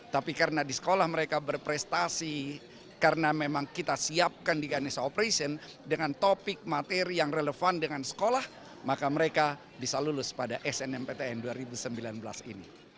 tapi karena di sekolah mereka berprestasi karena memang kita siapkan di ganesha operation dengan topik materi yang relevan dengan sekolah maka mereka bisa lulus pada snmptn dua ribu sembilan belas ini